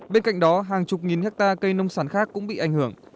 bên cạnh đó hàng chục nghìn hectare cây nông sản khác cũng bị ảnh hưởng